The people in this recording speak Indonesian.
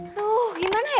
aduh gimana ya